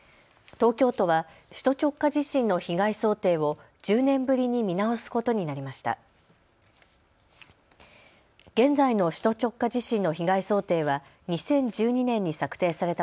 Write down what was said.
東京都は首都直下地震の被害想定を１０年ぶりに見直すことになりました。